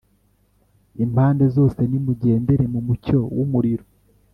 impande zose nimugendere mu mucyo w umuriro